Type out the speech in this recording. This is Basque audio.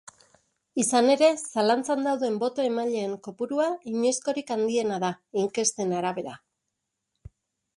Izan ere, zalantzan dauden boto-emaileen kopurua inoizkorik handiena da, inkesten arabera.